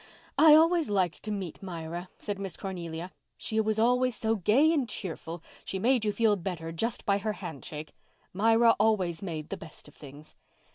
"I always liked to meet Myra," said Miss Cornelia. "She was always so gay and cheerful—she made you feel better just by her handshake. Myra always made the best of things."